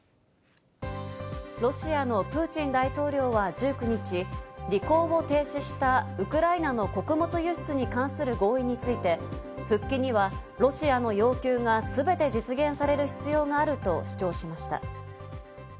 ロシアのプーチン大統領は１９日、履行を停止したウクライナの穀物輸出に関する合意について、復帰にはロシアの要求が全て実現される必要があると主張しました。